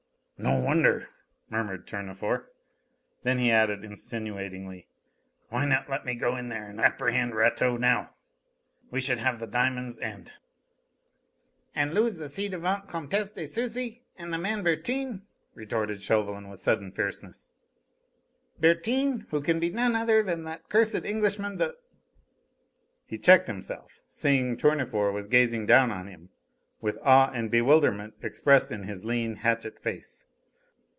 "No wonder," murmured Tournefort. Then he added insinuatingly: "Why not let me go in there and apprehend Rateau now? We should have the diamonds and " "And lose the ci devant Comtesse de Sucy and the man Bertin," retorted Chauvelin with sudden fierceness. "Bertin, who can be none other than that cursed Englishman, the " He checked himself, seeing Tournefort was gazing down on him, with awe and bewilderment expressed in his lean, hatchet face.